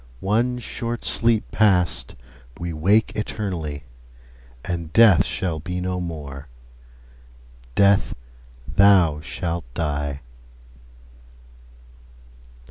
One short sleep past, we wake eternally, And Death shall be no more: Death, thou shalt die!